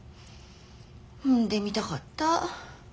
産んでみたかった。